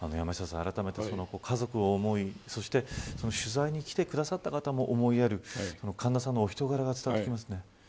あらためて家族を思い取材に来てくださった方も思いやる神田さんのお人柄が伝わってきますね。